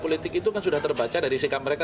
politik itu kan sudah terbaca dari sikap mereka